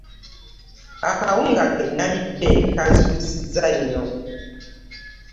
Akawunga kenalidde kanzikusizza nyo.